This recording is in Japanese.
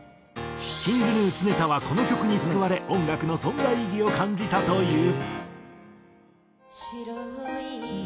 ＫｉｎｇＧｎｕ常田はこの曲に救われ音楽の存在意義を感じたという。